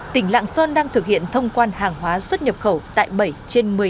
tỉnh lạng sơn đang thực hiện thông quan hàng hóa xuất nhập khẩu tại bảy trên một mươi